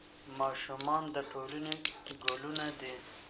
ماشومان د ټولنې ګلونه دي.